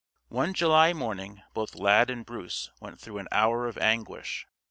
One July morning both Lad and Bruce went through an hour of anguish.